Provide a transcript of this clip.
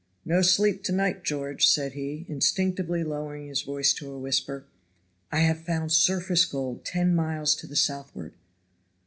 "No sleep to night, George," said he, instinctively lowering his voice to a whisper; "I have found surface gold ten miles to the southward."